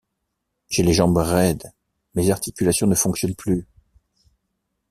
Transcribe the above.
J’ai les jambes raides… mes articulations ne fonctionnent plus…